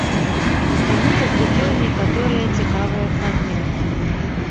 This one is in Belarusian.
Таму публікуем некаторыя цікавыя фрагменты.